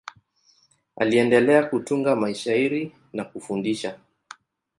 Aliendelea kutunga mashairi na kufundisha.